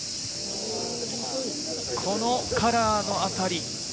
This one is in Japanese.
このカラーの辺り。